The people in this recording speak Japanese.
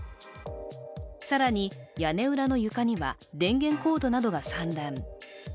更に屋根裏の床には電源コードなどが散乱。